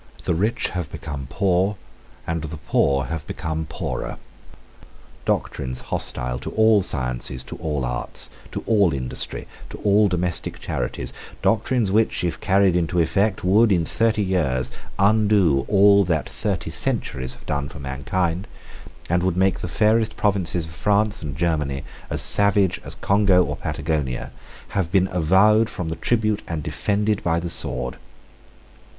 The rich have become poor; and the poor have become poorer. Doctrines hostile to all sciences, to all arts, to all industry, to all domestic charities, doctrines which, if carried into effect, would, in thirty years, undo all that thirty centuries have done for mankind, and would make the fairest provinces of France and Germany as savage as Congo or Patagonia, have been avowed from the tribune and defended by the sword.